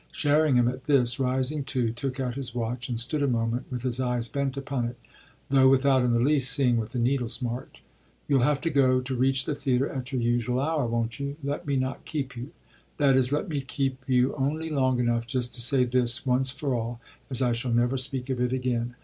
Sherringham, at this, rising too, took out his watch and stood a moment with his eyes bent upon it, though without in the least seeing what the needles marked. "You'll have to go, to reach the theatre at your usual hour, won't you? Let me not keep you. That is, let me keep you only long enough just to say this, once for all, as I shall never speak of it again.